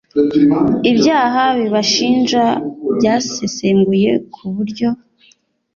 ibyaha bibashinja byasesenguwe ku buryo